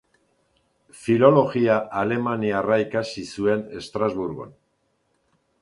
Filologia alemaniarra ikasi zuen Estrasburgon.